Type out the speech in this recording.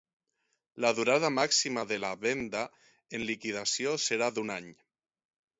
La durada màxima de la venda en liquidació serà d'un any.